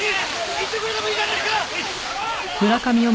言ってくれてもいいじゃないですか！